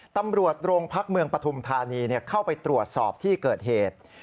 ตำรวจโรงพักเมืองปฐุมธานีเข้าไปตรวจสอบที่เกิดเหตุ